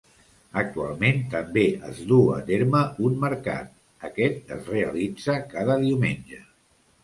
Actualment també es duu a terme un mercat, aquest es realitza cada diumenge.